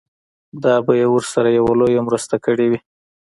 دا به يې ورسره يوه لويه مرسته کړې وي.